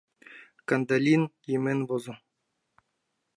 Кандалин йымен возо.